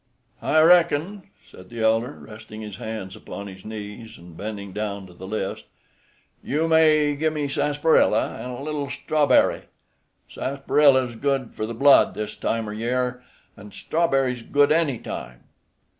"I reckon," said the elder, resting his hands upon his knees and bending down to the list, "you may gimme sassprilla an' a little strawberry. Sassprilla's good for the blood this time er year, an' strawberry's good any time."